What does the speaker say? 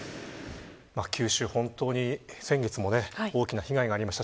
九州、本当に先月も大きな被害がありました。